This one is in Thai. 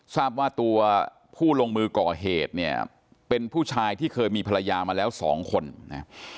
ทราบว่าตัวผู้ลงมือก่อเหตุเนี่ยเป็นผู้ชายที่เคยมีภรรยามาแล้วสองคนนะ